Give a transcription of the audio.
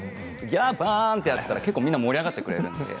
ギャバン！と言ったら結構みんな盛り上がってくれるんです。